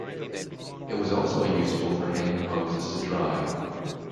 It was also useful for hanging hoses to dry.